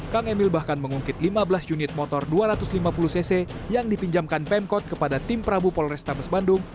kang emil bahkan mengungkit lima belas unit motor dua ratus lima puluh cc yang dipinjamkan pemkot kepada tim prabu polrestabes bandung